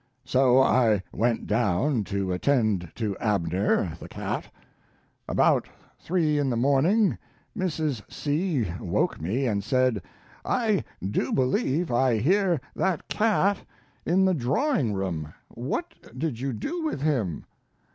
So I went down to attend to Abner (the cat). About three in the morning Mrs. C. woke me and said, "I do believe I hear that cat in the drawing room. What did you do with him?"